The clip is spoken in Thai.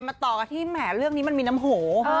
ต่อกันที่แหมเรื่องนี้มันมีน้ำโห